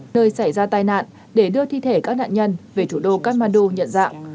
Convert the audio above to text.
nơi xảy ra tai nạn để đưa thi thể các nạn nhân về thủ đô kamandu nhận dạng